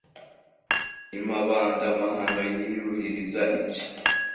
I Mabanda Mahano yiruhiriza iki